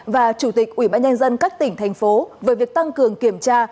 và chủ tịch ủy bãi nhân dân các tỉnh thành phố với việc tăng cường kiểm tra